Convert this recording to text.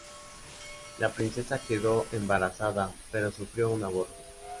La princesa quedó embarazada, pero sufrió un aborto.